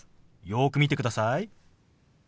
よく見てください。